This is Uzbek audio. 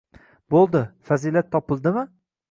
Bo'ldi, fazilat jopildimi?